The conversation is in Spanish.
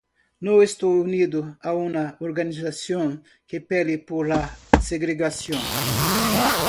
No estos unido a una organización que pele por la segregación.